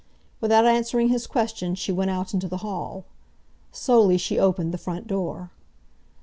Without answering his question she went out into the hall. Slowly she opened the front door.